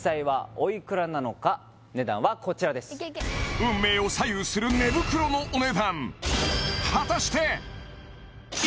運命を左右する寝袋のお値段果たして？